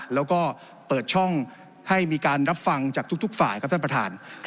แล้วก็เปิดช่องให้มีการรับฟังจากทุกฝ่ายครับท่านประธาน